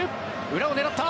裏を狙った。